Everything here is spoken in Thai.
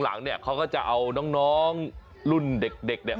หลังเนี่ยเขาก็จะเอาน้องรุ่นเด็กเนี่ย